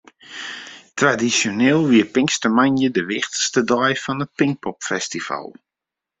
Tradisjoneel wie pinkstermoandei de wichtichste dei fan it Pinkpopfestival.